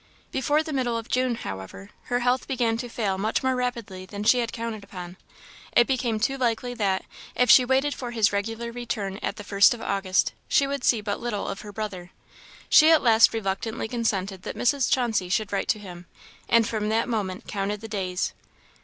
Before the middle of June, however, her health began to fail much more rapidly than she had counted upon. It became too likely that, if she waited for his regular return at the first of August, she would see but little of her brother. She at last reluctantly consented that Mrs. Chauncey should write to him; and from that moment counted the days.